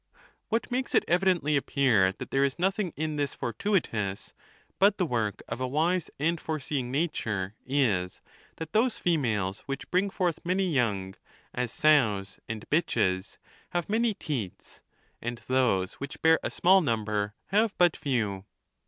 What makes it evi dently appear that there is nothing in this fortuitous, but the work of a wise and forfeseeing nature, is, that those females which bring forth many young, as sows and bitches, have many teats, and those whicn bear a small number have but few.